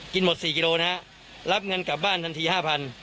หมด๔กิโลนะฮะรับเงินกลับบ้านทันที๕๐๐